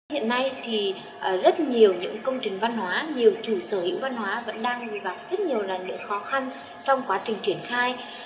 hiện nay thì rất nhiều những công trình văn hóa nhiều chủ sở hữu văn hóa vẫn đang gặp rất nhiều là những khó khăn trong quá trình triển khai